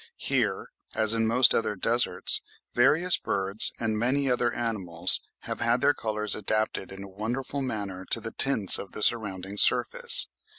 Here, as in most other deserts, various birds, and many other animals, have had their colours adapted in a wonderful manner to the tints of the surrounding surface.